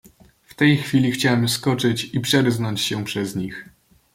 "W tej chwili chciałem skoczyć i przerznąć się przez nich."